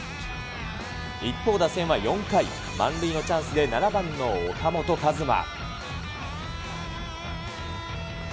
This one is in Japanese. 一方、打線は４回、満塁のチャンスで、７番の岡本和真。